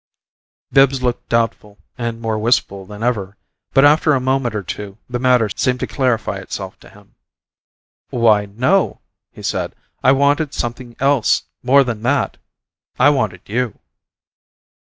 Bibbs looked doubtful and more wistful than ever; but after a moment or two the matter seemed to clarify itself to him. "Why, no," he said; "I wanted something else more than that. I wanted you."